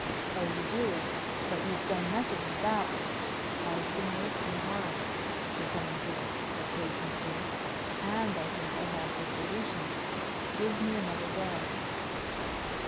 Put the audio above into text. "Oh, you do? But you've done nothing about " "I've been working hard," the scientist said patiently, "and I think I have the solution. Give me another day."